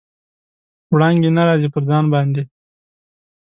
وړانګې نه راځي، پر ځان باندې